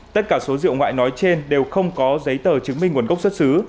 tất cả số rượu ngoại nói trên đều không có giấy tờ chứng minh nguồn gốc xuất xứ